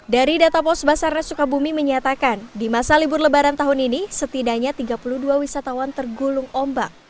dari data pos basarnas sukabumi menyatakan di masa libur lebaran tahun ini setidaknya tiga puluh dua wisatawan tergulung ombak